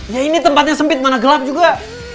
ya ini tempatnya sempit mana gelap juga